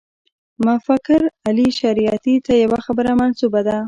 مفکر علي شریعیتي ته یوه خبره منسوبه ده.